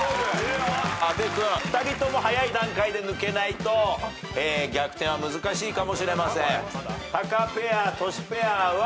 阿部君２人とも早い段階で抜けないと逆転は難しいかもしれません。